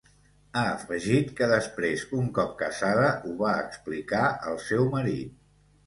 Ha afegit que després, un cop casada, ho va explicar al seu marit.